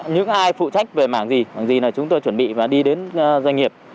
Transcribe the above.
những ai phụ trách về mảng gì khoảng gì là chúng tôi chuẩn bị và đi đến doanh nghiệp